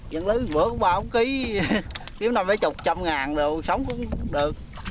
dân lứ vừa cũng bao cũng ký kiếm năm một mươi trăm ngàn rồi sống cũng được